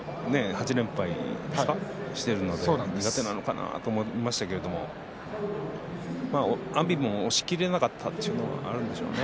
８連敗しているので苦手なのかなと思いましたけど阿炎も押しきれなかったというのはあるんでしょうね。